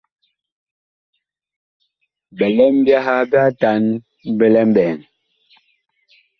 Bilɛm byaha bi atan bi lɛ mɓɛɛŋ.